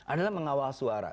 adalah mengawal suara